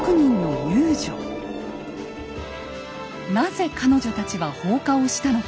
なぜ彼女たちは放火をしたのか？